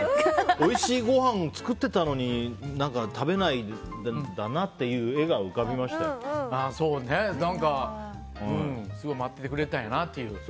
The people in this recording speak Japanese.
おいしいごはん作ってたのに食べないんだなっていう画が何かすごい待っててくれたんやなって。